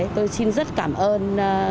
tôi xin rất cảm ơn